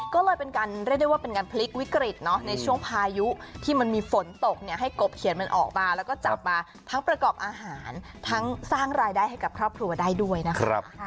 ก็เลยเป็นการเรียกได้ว่าเป็นการพลิกวิกฤตเนอะในช่วงพายุที่มันมีฝนตกเนี่ยให้กบเขียนมันออกมาแล้วก็จับมาทั้งประกอบอาหารทั้งสร้างรายได้ให้กับครอบครัวได้ด้วยนะคะ